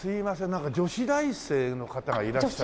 なんか女子大生の方がいらっしゃる。